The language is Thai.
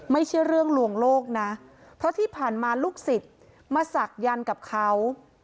ไม่ใช่เรื่องลวงโลกนะเพราะที่ผ่านมาลูกศิษย์มาศักยันต์กับเขา